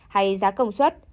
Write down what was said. hay giá công suất